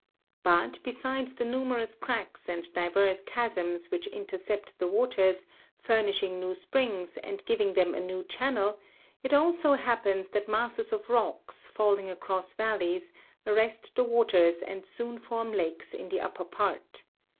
But, besides the numerous cracks and divers chasms which intercept the waters, furnishing new springs, and giving them a new channel, it also happens that masses of rocks, falling across valleys, arrest the waters and soon form lakes in the upper part.